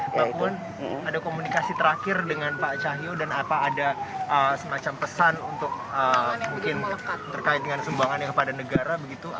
pak puan ada komunikasi terakhir dengan pak cahyo dan apa ada semacam pesan terkait dengan sumbangan yang kepada negara